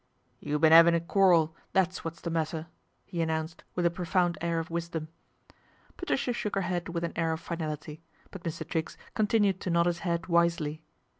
" You been 'avin' a quarrel, that's what's the natter," he announced with a profound air of visdom. Patricia shook her head with an air of finality ; :mt Mr. Triggs continued to nod his head wisely.